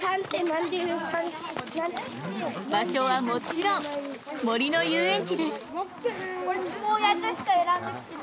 場所はもちろん森のゆうえんちです。